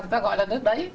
thì ta gọi là nước đấy